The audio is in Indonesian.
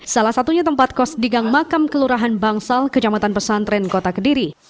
salah satunya tempat kos di gang makam kelurahan bangsal kejamatan pesantren kota kediri